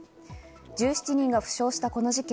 １７人が負傷したこの事件。